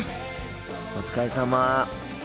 お疲れさま。